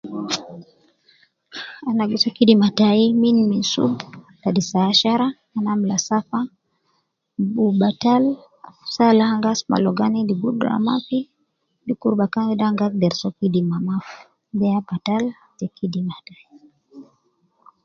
Ana gi soo kidima tai min minsub ladi saa ashara, ana amula safa, bu batal, saa al an gi asuma ligo ana endi gudra mafi, dukur bakan wede an gi agder soo kidima mafi, de ya batal te kidima tai